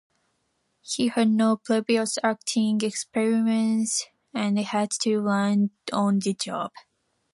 He had no previous acting experience and had to learn on the job.